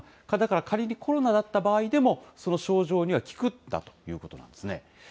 だから仮にコロナだった場合でもその症状には効くんだということなんですね。